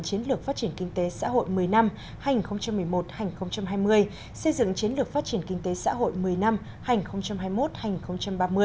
chiến lược phát triển kinh tế xã hội một mươi năm hành một mươi một hành hai mươi xây dựng chiến lược phát triển kinh tế xã hội một mươi năm hành hai mươi một hành ba mươi